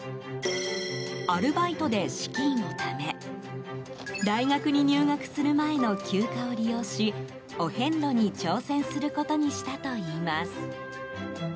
アルバイトで資金をため大学に入学する前の休暇を利用しお遍路に挑戦することにしたといいます。